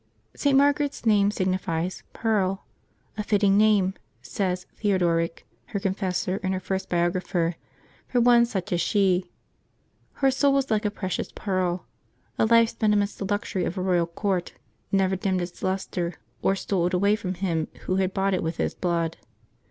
@T. Margaret's name signifies "pearl;" "a fitting name/' says Theodoric, her confessor and her first biographer, " for one such as she." Her soul was like a precious pearl. A life spent amidst the luxury of a royal court never dimmed i ts lustre, or stole it away from Him who had bought it with His blood.